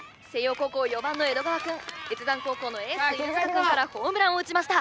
高校４番の江戸川くん越山高校のエース犬塚くんからホームランを打ちました